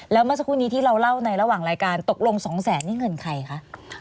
แล้วเมื่อสักครู่นี้ที่เราเล่าในระหว่างรายการตกลงสองแสนนี่เงินใครคะ